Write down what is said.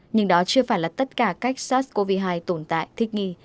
nhưng đó chưa phải là tất cả cách sars cov hai tồn tại thích nghi